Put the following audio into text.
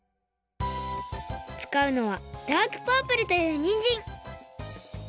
つかうのはダークパープルというにんじん。